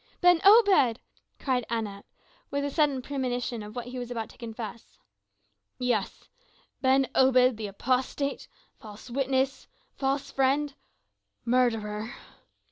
"Ben Obed!" cried Anat, with a sudden premonition of what he was about to confess. "Yes, Ben Obed, apostate false witness false friend murderer."